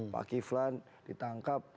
pak kiflan ditangkap